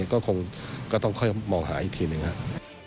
ก็คงก็ต้องค่อยมองหาอีกทีหนึ่งครับ